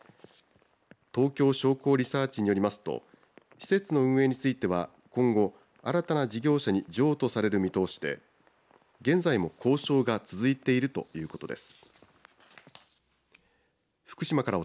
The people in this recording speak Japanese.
東京商工リサーチによりますと施設の運営については今後新たな事業者に譲渡される見通しで現在も交渉が続いているということです。